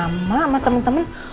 sama sama sama temen temen